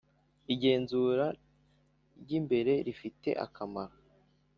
igenzura ry imbere rifite akamaro